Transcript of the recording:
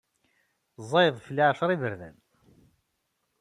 Ẓẓayeḍ fell-i ɛecra iberdan.